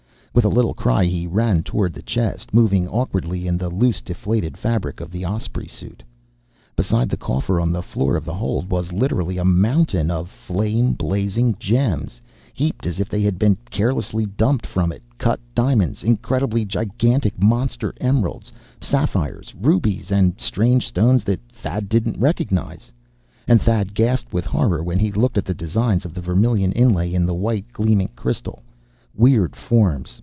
With a little cry, he ran toward the chest, moving awkwardly in the loose, deflated fabric of the Osprey suit. Beside the coffer, on the floor of the hold, was literally a mountain of flame blazing gems, heaped as if they had been carelessly dumped from it; cut diamonds, incredibly gigantic; monster emeralds, sapphires, rubies; and strange stones, that Thad did not recognize. And Thad gasped with horror, when he looked at the designs of the vermilion inlay, in the white, gleaming crystal. Weird forms.